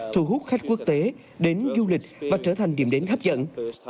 thu hút khách quốc tế đến du lịch và trở thành điểm đến hấp dẫn